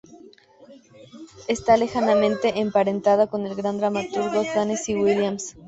Está lejanamente emparentada con el gran dramaturgo Tennessee Williams.